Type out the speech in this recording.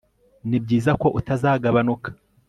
Nibyiza ko utazagabanuka